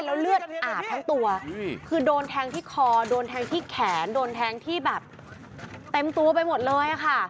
แล้วเลือดอาบทั้งตัวคือโดนแทงที่คอโดนแทงที่แขนโดนแทงที่แบบเต็มตัวไปหมดเลยค่ะ